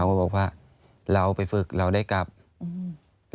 อันดับ๖๓๕จัดใช้วิจิตร